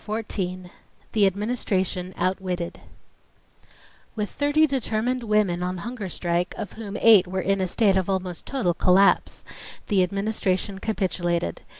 Chapter 14 The Administration Outwitted With thirty determined women on hunger strike, of whom eight were in a state of almost total collapse, the Administration capitulated.